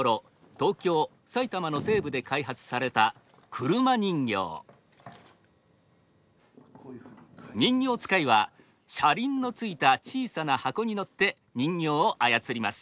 東京埼玉の西部で開発された人形遣いは車輪のついた小さな箱に乗って人形をあやつります。